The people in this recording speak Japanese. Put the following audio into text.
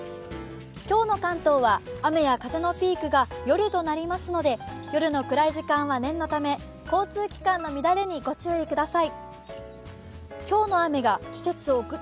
今日の関東は雨や風のピークが夜になりますので夜の暗い時間は念のため交通期間にご注意ください。